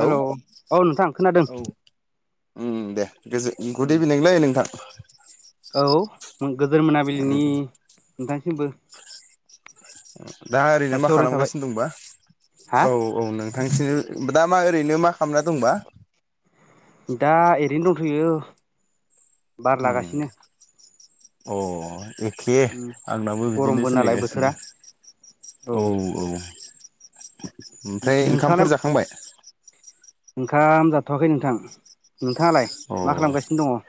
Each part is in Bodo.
हेल' औ। नोंथां खोनादों औ ओम दे गोजोन गुड इभिनिंलै नोंथां। औ गोदोर मोनाबिलिनि उम नोंथांसिमबो। दा ओरैनो मा जासिहरनाय थाबाय खालामगासिनो दंबा। हा औ औ नोंथांसिनि दा मा ओरैनो मा खामना दंबा। दा एरैनो दंथ'यो बार उम लागासिनो। अ। एखे आंनाबो बिदिनो गरमबो नालाय बोथोरा सोलिगासिनो औ औ। ओमफ्राय ओंखामफोर नोंथाङालाय जाखांबाय? ओंखाम जाथ'वाखै नोंथां नोंथाङालाय अ मा खालामगासिनो दङ'?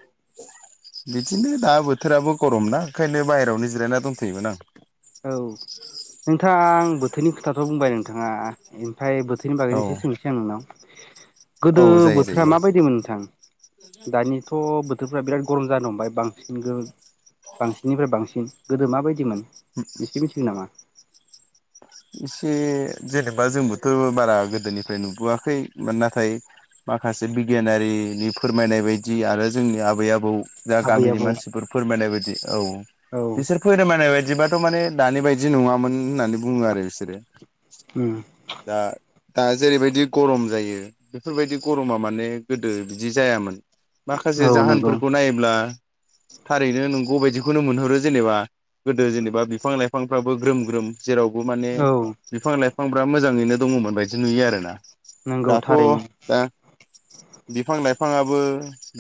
बिदिनो दा बोथोराबो गरम ना ओंखायनो बाहेरायावनो जिरायना दंथ'योमोन आं। औ नोंथां आं बोथोरनि खोथाथ' बुंबाय नोंथाङा? ओमफाय बोथोरनि औ बागैनो एसे सोंसै आं नोंनाव। गोदो औ जायो बोथोरा जायो माबायदिमोन नोंथां? दानिथ' बोथोरफ्रा बिराद गरम जानो हमबाय बांसिनगो बांसिननिफ्राय बांसिन गोदो माबायदिमोन [unintelligible] मिथिगोन नामा? इसे जेनेबा जोंबोथ' बारा गोदोनिफ्राय नुबोआखै मोन नाथाय। माखासे बिगियानारिनि फोरमायनाय बायदि आरो जोंनि आबै- आबौ। जा आबै गामिनि आबौ मानसिफोर फोरमायनाय बायदि औ औ बिसोर फोरमायनाय बायदिबाथ' माने दानि बायदि नङामोन होननानै बुङो आरो बिसोरो ओम। दा दा जेरैबायदि गरम जायो बेफोरबायदि गरमा माने गोदो बिदि जायामोन। माखासे औ नंगौ जाहोनफोरखौ नायोब्ला। थारैनो नोंगौ बायदिखौनो मोनहरो जेनेबा गोदो जेनेबा बिफां लाइफांफ्राबो ग्रोम ग्रोम। जेरावबो माने औ बिफां लाइफांफ्रा मोजाङैनो दङ'मोन बायदि नुयो आरो ना। नोंगौ थारैनो। बिफां-लाइफाङाबो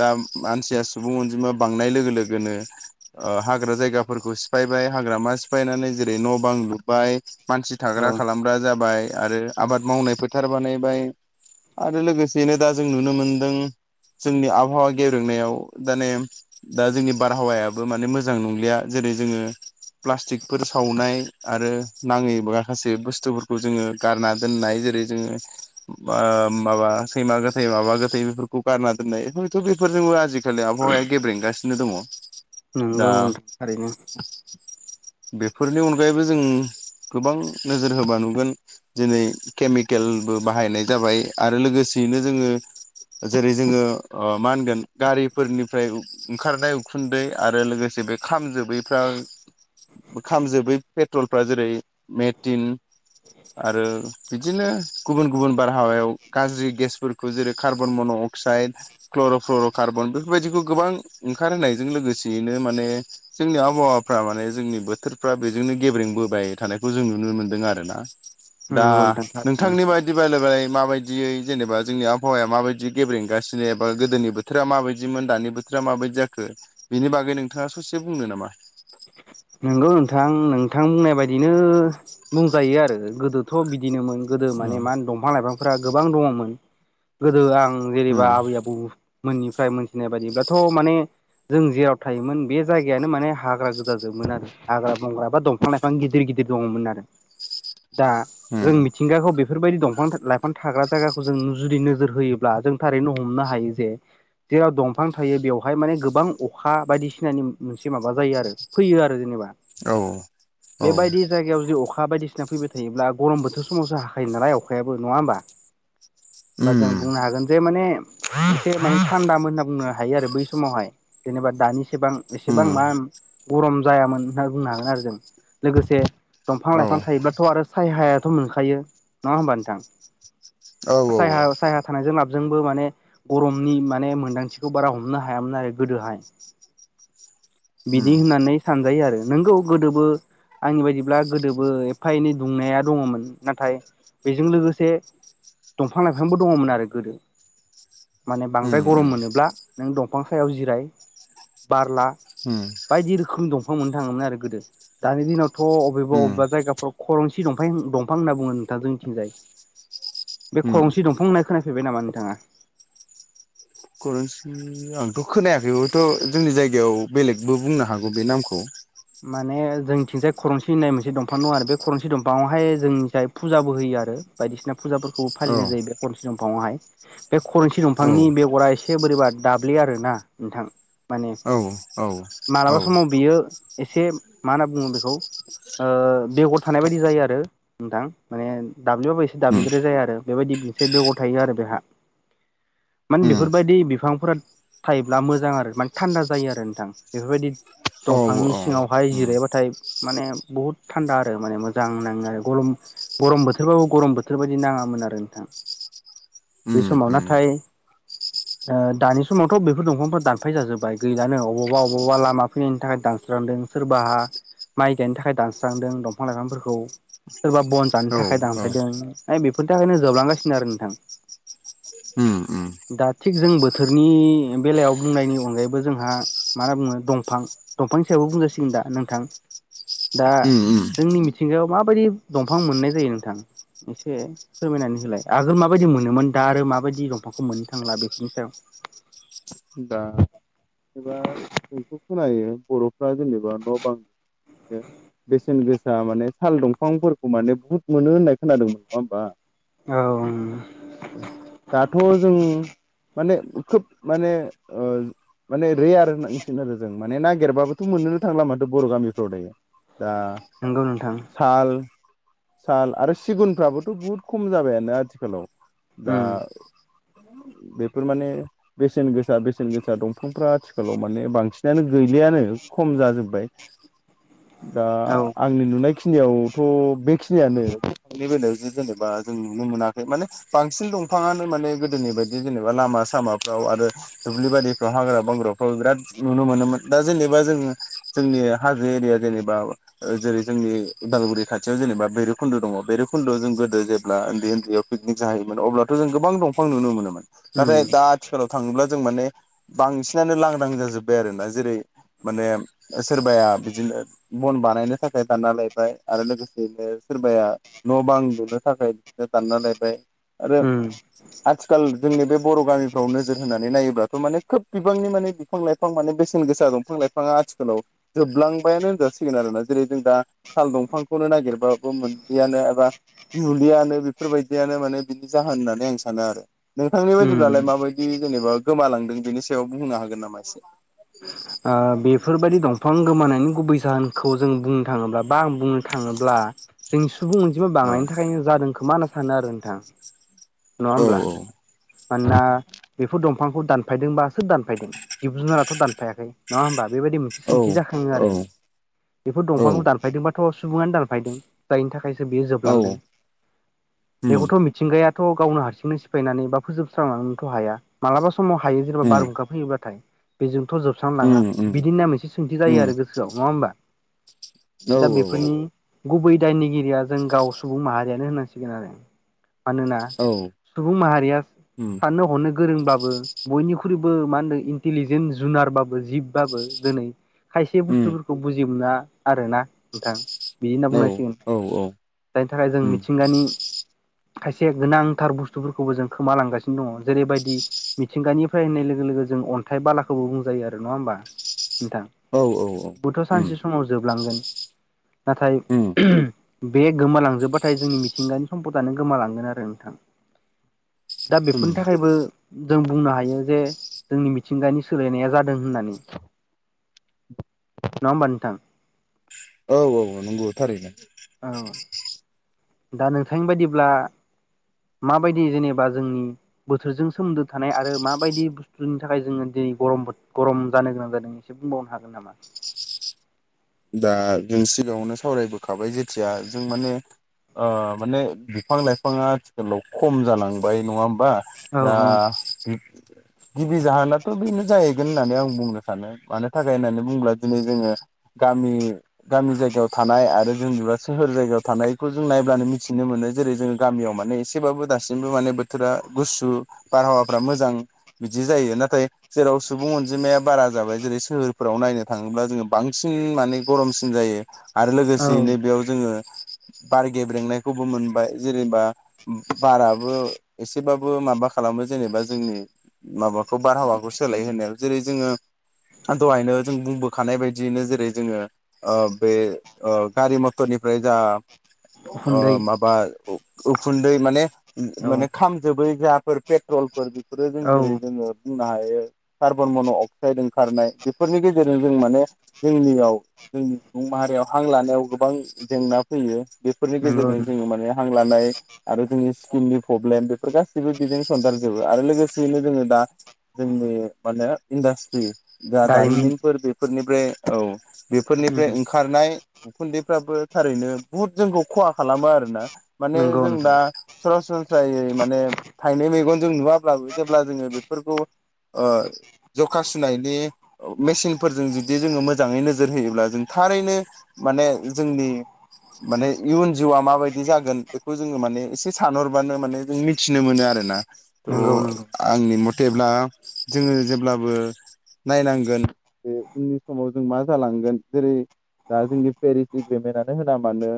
दा मानसिया सुबुं अनजिमा बांनाय लोगो लोगोनो। ओ हाग्रा जायगाफोरखौ सिफायबाय हाग्रामा सिफायनानै जेरै न' बां लुबाय। मानसि औ थाग्रा खालामग्रा जाबाय आरो आबाद मावनाय फोथार बानायबाय। आरो लोगोसेनो दा जों नुनो मोनदों। जोंनि आबहावा गेब्रेंनायाव दाने दा जोंनि बारहावायाबो माने मोजां नंलिया जे जोङो प्लास्टिकफोर सावनाय आरो नाङै माखासे बुस्थुफो खौ जोङो गारना दोननाय जेरै जोङो ओ माबा सैमा गोथै माबा गोथै बेफोरखौ। गारना दोननाय बेथ' बेफोरजोंबो आजिखालि आबहावाया गेब्रेंगासिनो दङ। दा नोंगौ थारैनो बेफोरनि अनगायैबो जों गोबां नोजोर होबा नुनो दिनै केमिकेलबो बाहायनाय जाबाय आरो लोगोसेयैनो जोङो। जेरै जोङो ओ मा होनगोन गारिफोरनिफ्राय ओंखारनाय उखुन्दै आरो लोगोसे बे खामजोबैफ्रा खामजोबै पेट्रलफ्रा जेरै मेटिन आरो बिदिनो गुबुन गुबुन बारहावायाव गाज्रि गेसफोरखौ जेरै carbon monoxide chlorofluorocarbon बेफोरबायदिबो गोबां ओंखार होनायजों लोगोसेयैनो माने जों आबहावाफ्रा माने जोंनि बोथोरफ्रा बेजोंनो गेब्रेंबोबाय थानायखौ जों नुनो मोनदों आरो ना दा नंगौ नोंथां थारैनो नोंथांनि बायदि [unintelligible] माबायदियै जेनेबा जोंनि आहावाया माबायदि गेब्रेंगासिनो एबा गोदोनि बोथोरा माबायदिमोन दानि बो थोरा माबायदि जाखो बिनि बागै नोंथाङा ससे बुंनो नामा? बिथां बुंनाय बायदिनो बुंजायो आरो गोदोथ' बिदिनोमोन गोदो माने मा होनो दंफां- लाइफां फोरा गोबां दङ'मोन गोदो आं जेनेबा उम आबै-आबौ मोननिफ्राय मोनथिनाय बायदिब्लाथ' माने जों जेराव थायोमोन बे जायगायानो माने हाग्रा गोजा जोबमोन आरो हाग्रा बंग्रा बा दंफां लाइफां गिदिर गिदिर दङमोन आरो दा उम जों मिथिंगाखौ बेफोरबायदि दं फां लाइफां थाग्रा जायगाखौ जों जुदि नोजोर होयोब्ला जों थारैनो हमनो हायो जे जेराव दंफां थायो बेवहाय माने गोबां अखा बायदिसिनानि मोनसे माबा जायो आरो फैयो आरो जेनेबा उम औ औ बेबायदि जायगायाव जुदि अख खा बायदिसिना फैबाय थायोब्ला गरम बोथोर समावसो हाखायो नालाय अखायाबो नङा होमबा होमबा जों उम बुंनो हागोन जे माने एसे माने थान्दा मोजां होनना बुंनो हायो आरो बै समावहाय जेनेबा दानि एसेबां उम एसेबां माम गरम जायामोन होनना बुंनो हागोन आरो जों लोगोसे दंफां औ लाइफां थायोब्लाथ' आरो सायहायाथ' मोनखायो नङा होमबा नोंथां औ औ सायहा सायहा थानायजों लाबजोंबो माने गरमनि माने मोनदांथि खौ बारा हमनो हायामोन आरो गोदोहाय उम बिदि होननानै सानजायो आरो नंगौ गोदोबो आंनि बायदिब्ला गोदोबो एफा एनै दुंनाया दङमोन नाथाय बेजों लोगोसे दंफां लाइफांबो दङमोन आरो गोदो माने उम बांद्राय गरम उम मोनोब्ला नों दंफां सायाव जिराय बारला उम बायदि रोखोम दंफां मोननो थाङोमोन आरो गोदो दानि दिनावथ' अबेबा उम अबेबा जायगाफ्राव खरंसि दंफाय दंफां होनना बुङो नोंथां जोंनिथिंजाय बे उम खरंसि दंफां होननाय खोना फेबाय नामा नोंथाङा करन्सि आंथ' खोनायाखै हयथ' जोंनि जायगायाव बेलेगबो बुंनो हागौ बे नामखौ माने जोंथिंजाय खरनसि होननाय मोनसे दंफां दङ आरो बे खरनसि दंफाङावहाय जोंनि जाय फुजाबो होयो आरो बायदिसिना फुजाफोरखौ औ फालिनाय जायो बे खरनस दंफाङावहाय बे खरन्सि औ दंफांनि बेगरा एसे बोरैबा दाब्ले आरोना नोंथां माने औ औ मालाबा समाव बियो एसे मा होनना बुङो बेखौ ओ बेगर थानाय बायदि जायो आरो नोंथां माने दाब्लिबाबो एसे उम दाब्लिद्राय जाया आरो बेबायदि बेसे बेगर थायो आरो बेहा [inaudible] माने उम बेफोरबायदि बिफांफोरा थायोब्ला मोजां आरो माने थानदा जायो आरो नोंथां बेफोरबायदि औ दंफांनि औ सिङावहाय उम जिरायबाथाय माने बहुद थानदा आरो माने मोजां नाङो आरो गरम गरम बोथोरबाबो गरम बोथोर बायदि नाङामोन आरो नोंथां बे उम समाव उम नाथाय ओ दानि समावथ' बेफोर दंफांफोरा दानफाय जाजोबबाय गैलानो अबावबा अबाव बावबा लामा फोरनि थाखाय दानस्रांदों सोरबाहा माइ गायनो थाखाय दानस्रांदों दंफां लाइफांफोरखौ सोरबा बन जानो औ थाखाय दानफायदों बेफोरनि थाखायनो जोबलांगासिनो आरो नोंथां उम उम दा थिग जों बोथोरनि बेलायाव बुंनायनि अनगायैबो जोंहा मा होनना बुङो दंफां दंफांनि सायावबो बुंजासिगोन दा नोंथां दा उम उम जोंनि मिथिंगायाव माबायदि दंफां मोननाय जायो नोंथां एसे फोरमायनानै होलाय आगोल माबायदि मोनोमोन दा आरो माबायदि दंफांखौ मोननो थांला बेफोरनि सायाव [inaudible] दा एबा जोंथ' खोनायो बर'फ्रा जेनेबा न' बां बेसेन गोसा माने साल दंफांफोरखौ माने बुहुत मोनो होननाय खोनादोंमोन नङा होमबा सायाव औ दाथ' जों माने खोब माने ओ माने रेयार होनांसिगोन आरो जों माने ना गिरबाबोथ' मोननोनो थांला माथो बर' गामिफ्रावलाय दा नंगौ नोंथां साल साल आरो सिगुनफ्राबोथ' बुहुत खम जाबायानो आथिखालाव दा उम बेफोर माने बेसेन गोसा बेसेन गोसा दंफांफ्रा आ थिखालाव माने बांसिनानो गैलियानो खम जाजोबबाय दा औ आंनि नुनाय खिनियावथ' बेखिनियानो दंफांनि बेलायाव जेनेबा जों नुनो मोनाखै माने बांसिन दं फाङानो माने गोदोनि बायदि जेनेबा लामा-सामाफ्राव आरो दुब्लि बारिफ्राव हाग्रा-बंग्राफ्राव बिराद नुनो मोनोमोन दा जेनेबा जों जोंनि हाजो एरिया जेनेबा जेरै जोंनि उदालगुरि खाथियाव जेनेबा भैरुखुनदु दं भैरुखुनदआव जों गोदो जेब्ला उनदै उनदैयाव पिकनिक जाहैयोमोन अब्लाथ' जों गोबां दंफां नुनो मोनोमोन उम नाथाय दा आथिखालाव थाङोब्ला जों माने बांसिनानो लांदां जाजोबबाय आरोना जेरै माने सोरबाया बिदिनो बन बानायनो थाखाय दानना लायबाय आरो लोगोसेयैनो सोरबाया न' बां लुनो थाखाय बिदिनो दानना लायबाय आरो उम आथिखाल जोंनि बे बर' गामिफ्राव नोजोर होनानै नायोब्लाथ' माने खोब बिबांनि माने बिफां लाइफां माने बे सेन गोसा दंफां लाइफाङा आथिखालाव जोबलांबायानो होनजासिगोन आरोना जेरै जों दा साल दंफांखौनो नागिरबाबो मोनलियानो एबा नुलियानो बेफोरबायदियानो माने बिनि जाहोन होननानै आं सानो आरो नोंथांनि बायदिब्लालाय उम माबायदि जेनेबा गोमालांदों बेनि सायाव बुंनो हागोन नामा एसे ओ बेफोरबायदि दंफां गोमानायनि गुबै जाहोनखौ जों बुंनो थाङोब्ला बा आं बुंनो थाङोब्ला जोंनि सुबुं अनजिमा अ बांनायनि थाखायनो जादों खोमा होनना सानो आरो नोंथां नङा औ होमब्ला मानोना बेफोर दं फांखौ दानफायदोंबा सोर दानफायदों जिब जुनाराथ' दानफायाखै नङा होमबा बेबायदि मोनसे औ सोंथि जाखाङो आरो औ बेफोर दंफांखौ दानफायदोंबा थ' सुबुङानो दानफायदों जायनि थाखायसो बियो औ जोबलांदों उम बेखौथ' मिथिंगाया थ' गावनो हारसिंनो सिफायनानै बा फोजोबस्रांनोथ' हाया माब्लाबा समाव हायो जेनेबा उम बारहुंखा फैयोब्लाथाय बेजोंथ' जोबस्रां लाङा उम उम बिदिनो मोनसे सोंथि जायो उम आरो गोसोयाव नङा होमबा औ दा बेफोरनि औ गुबै दायनिगिरिया जों गाव सुबुं माहारियानो होनांसिगोन आरो मानोना औ सुबुं माहारिया उम साननो हनो गोरोंबाबो बयनिख्रुबो मा होनदों इन्टेलिजेन्ट जुनारबाबो जिब बाबो दिनै खायसे उम बुसथुफोरखौ बुजिना आरोना नोंथां बिदि होनना औ बुंनांसिगोन औ जायनि थाखाय जों उम मिथिंगानि खायसे गोनांथार बुसथुफोरखौबो जों खोमाालांगासिनो दङ' जेरैबायदि मिथिंगानिफ्राय होननाय लोगो लोगो जों अनथाइ बालाखौबो बुंजायो आरो नङा होमबा नोंथां औ औ खौथ' [unintelligible] उम सानसे समाव जोबलांगोन नाथाय उम बे गोमालांजोबबाथाय जोंनि मिथिंगानि समपदानो गोमालांगोन आरो नोंथां दा उम बेफोरनि थाखायबो जों बुंनो हायो जे जोंनि मिथिंगानि सोलायनाया जा दों होननानै नङा होमबा नोंथां औ औ नंगौ थारैनो औ दा नोंथांनि बायदिब्ला माबायदि जेनेबा जोंनि बोथोरजों सोमोनदो थानाय आरो माबायदि बुसथुनि थाखाय जोङो दि नै गरम गरम जानो गोनां जादों एसे बुंबावनो हागोन नामा दा जों सिगाङावनो सावरायबोखाबाय जेथिया जों माने ओ माने बिफां लाइफाङा आथिखालाव खम जालांबाय नङा हो नबा‌ औ दा औ गिबि जाहोनाथ' बेनो जाहैगोन होननानै आं बुंनो सानो मानो थाखाय होननानै बुंङोब्ला दिनै जोङो गामि गामि जायगायाव थानाय आरो जों बिबा [unintelligible] सोहोर जायगायाव। थानायखौ जों नायब्लानो मिथिनो मोनो जेरै जोङो गामियाव माने एसेबाबो दासिमबो माने बोथोरा गुसु बारहावाफ्रा मोजां बिदि जायो नाथाय जेराव सुबुं अनजिमाया बारा जाबाय जेरै सोहोरफोर याव नायनो थाङोब्ला जोङो बांसिन माने गरमसिन जायो आरो औ लोगोसेयैनो बेयाव जोङो बार गेब्रेंनायखौबो मोनबाय जेनेबा बाराबो एसेबाबो माबा मा खालामो जेनेबा जोंनि माबाखौ बारहावाखौ सोलाय होनायाव जेरै जोङो। दहायनो जों बुंबोखानाय बायदि बिदिनो जेरै जोङो ओ बे गारि मथरनिफ्राय जा उखुन्दै माबा उखुन्दै माने औ माने खामजोबै फुवाफोर पेट्रलफोर बेफोरो जों औ जेरै जोङो। बुंनो हायो कार्बन मन' अक्साइड ओंखारनाय बेफोरनि गेजेरजों जों माने। जोंनियाव जोंनि सुबुं माहारियाव हां लानायाव गोबां जेंना फैयो। बेफोरनि नंगौ गेजेरजों जोङो माने हां लानाय आरो जोंनि स्किननि प्रब्लेम बेफोर गासैबो बिदिनो सनदेरजोबो आरो लोगोसेयैनो जोङो दा जोंनि माने इन्डासट्रि जा दारिमिन दारिमिनफोर बेफोरनिफ्राय औ उम बेफोरनिफ्राय ओंखारनाय उखुन्दैफ्राबो थारैनो बुहुद जोंखौ खहा खालामो आरो ना। माने नंगौ जों नोंथां दा सरासनस्रायै माने थाइनै मेगन जों नुवाब्लाबो जेब्ला जोङो बे फोर ओ जखा सुनायनि मेसिनफोरजों जुदि जोङो मो मोजाङै नोजोर होयोब्ला जों थारैनो माने जोंनि माने इयुन जिउआ माबायदि जागोन बेखौ जोङो माने एसे सानहरबानो माने जों मिथिनो मोनो आरो ना त' नंगौ नंगौ आंनि मथे जेब्ला जोङो जेब्लाबो नायनांगोन बे उननि समाव जों मा जालांगोन जेरै दा जोंनि पेरिस एगेमेन्टानो होना मानो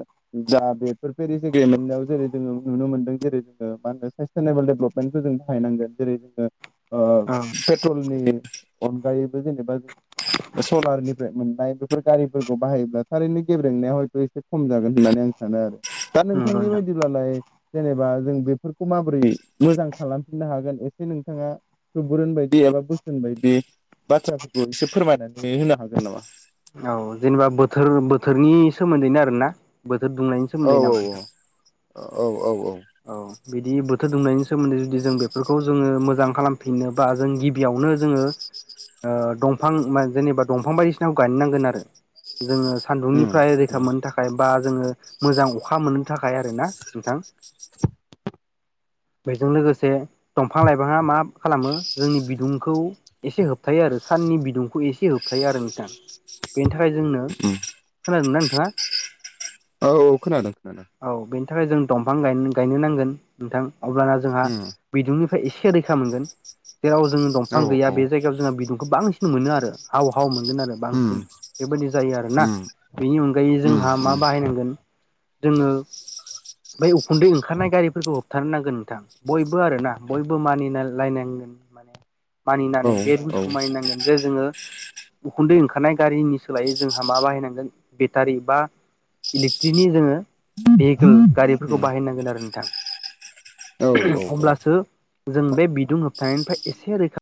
दा बेफोर पेरिस एगेमेनाव जेरै जोङो। नुनो मोनदों जेरै जोङो मा होनो सास्टेनेबोल डेभेलपमेन्टखौ जों बाहायनो नांगोन जेरै जोङो। औ पेट्रलनि अनगायैबो जेनेबा सलारनि मोननाय बेफोर गारिफोरखौ बाहायोब्ला थारैनो गेब्रेंनाया हयथ' एसे खम जागोन होननानै आं सानो आरो। दा नंगौ नोंथांनि नोंथां बायदिब्लालाय जेनेबा जों बेफोरखौ माबोरै मोजां खालामफिननो हागोन एसे नोंथाङा सुबुरुन बायदि गाबा बोसोन बायदि बाथ्राफोरखौ एसे फोरमायनानै होनो हागोन नामा? औ जेनेबा बोथोर बोथोरनि सोमोन्दैनो आरोना बोथोर दुंनायनि औ सोमोन्दै नामा नोंथां? औ औ औ औ। बिदि बोथोर दुमनायनि सोमोन्दै जुदि जों बेफोरखौ जोङो मोजां खालामफिनोबा जों गिबियावनो जोङो। ओ दंफां जेनेबा दंफां बायदिसिनाखौ गायनांगोन आरो जोङो उम सान्दुंनिफ्राय उम रैखा मोननो थाखाय बा। जोङो मोजां अखा मोननो थाखाय आरोना नोंथां। [inaudible] बेजों लोगोसे दंफां लाइफाङा मा खालामो जोंनि बिदुंखौ एसे होबथायो आरो सान। नि बिदुंखौ एसे होबथायो आरो नोंथां। [inaudible] नि थाखाय जोंनो खोनादों ना नोंथाङा? औ औ खोनादों। खोनादों औ बेनि थाखाय जों दंफां गायनो नांगोन नोंथां अब्लाना जोंहा उम बिदुंनिफ्राय। एसे रैखा मोनगोन जेराव जोंङो दंफां औ गैया औ बे जायगायाव जोंहा बिदुंखौ बांसिन मोनो आरो हाव हाव मोनो। उम बांसिन बेबायदि जायो आरोना उम बेनि अनगायै उम उम जोंहा मा बाहायनांगोन। जोङो बेै उखुन्दै ओंखारनाय गारिफोरखौ होबथानो नांगोन नोंथां। बयबो आर ना बयबो मानिलायनांगोन माने। मानिनानै औ बे औ रुलसखौ मानिनांगोन जे जोङो। उखुन्दै ओंखारनाय गारिनि सोलायै जोंहा मा बाहायनांगोन बेटारि बा इलेक्ट्रिकनि जोङो भेहिकेल गारिफोरखौ उम बाहायनांगोन आरो नोंथां औ औ औ अब्लासो जों बे बिदुं होबथानायनिफ्राय एसे रैखा